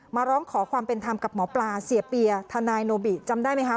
ร้องขอความเป็นธรรมกับหมอปลาเสียเปียทนายโนบิจำได้ไหมคะ